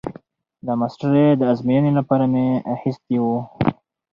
د ماسترۍ د ازموينې لپاره مې اخيستي وو.